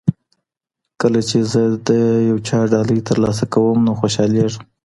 کله چې زه د یو چا ډالۍ ترلاسه کوم نو خوشالېږم.